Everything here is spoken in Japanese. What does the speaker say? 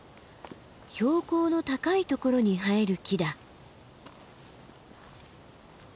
標高の高いところに生える木だ。